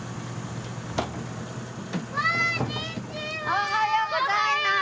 おはようございます！